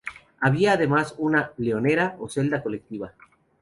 Había además una "leonera" o celda colectiva.